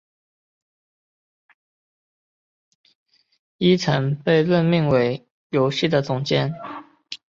伊藤被任命为游戏的总监。